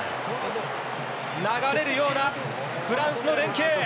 流れるようなフランスの連係。